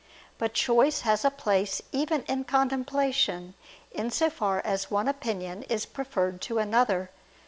But choice has a place even in contemplation; in so far as one opinion is preferred to another.